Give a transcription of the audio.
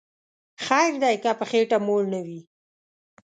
خیر دی که په خیټه موړ نه وی